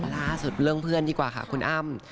ล่าสุดเรื่องเพื่อนดีกว่าค่ะคุณอ้ำ